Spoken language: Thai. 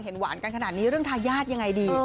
เห็นหวานขนาดนี้เรื่องทาย่าดยังไงดี